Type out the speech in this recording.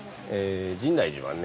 深大寺はね